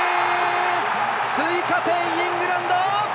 追加点、イングランド！